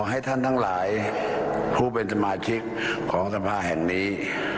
ให้ท่านทั้งหลายผู้เป็นสมาชิกของสภาแห่งนี้